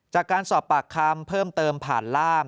จากการสอบปากคำเพิ่มเติมผ่านล่าม